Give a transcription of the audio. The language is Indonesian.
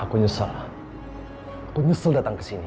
aku nyesel aku nyesel datang kesini